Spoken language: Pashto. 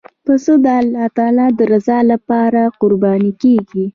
پسه د الله تعالی رضا لپاره قرباني کېږي.